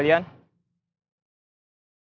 asistennya mas al